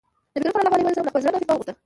نبي کريم ص له خپل زړه نه فتوا وغوښته.